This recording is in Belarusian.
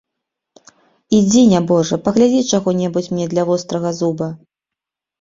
Ідзі, нябожа, паглядзі чаго-небудзь мне для вострага зуба.